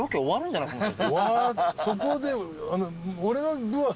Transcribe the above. そこで。